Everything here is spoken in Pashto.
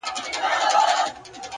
نور دي دسترگو په كتاب كي-